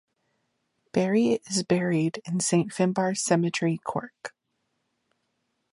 Barry is buried in Saint Finbarr's Cemetery, Cork.